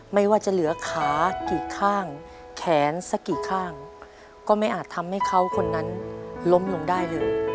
ไม่ว่าจะเหลือขากี่ข้างแขนสักกี่ข้างก็ไม่อาจทำให้เขาคนนั้นล้มลงได้เลย